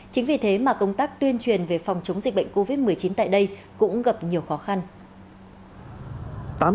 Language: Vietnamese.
chính vì thế mà công tác tuyên truyền về phòng chống dịch bệnh covid một mươi chín tại đây cũng gặp nhiều khó khăn